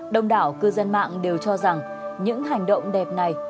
đông đảo cư dân mạng đều cho rằng những hành động đẹp này